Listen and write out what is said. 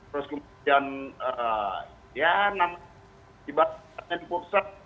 terus kemudian ya nama tiba tiba di pusat